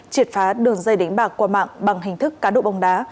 triệt phá đường dây đánh bạc qua mạng bằng hình thức cá đụ bông đá